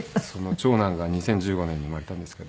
長男が２０１５年に生まれたんですけど。